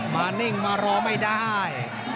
นิ่งมารอไม่ได้